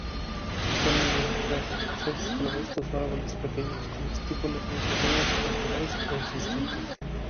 Son enredaderas leñosas, arbustos o árboles pequeños; con estípulas muy pequeñas, triangulares y persistentes.